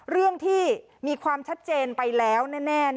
เรื่องที่มีความชัดเจนไปแล้วแน่